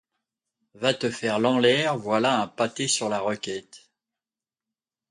Va te faire lanlaire, voilà un pâté sur la requête!